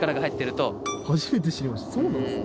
そうなんですね。